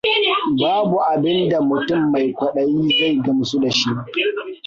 Babu abinda mutum mai kwaɗayi zai gamsu da shi.